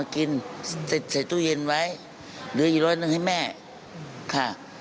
ค่ะนั่นแหละ